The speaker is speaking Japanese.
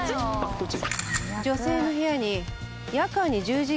こっち？